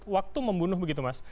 waktu membunuh begitu mas